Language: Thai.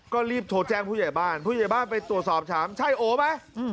ก็รีบโทรแจ้งผู้ใหญ่บ้านผู้ใหญ่บ้านไปตรวจสอบถามใช่โอไหม